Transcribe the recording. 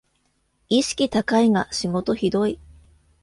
意識高いが仕事ひどい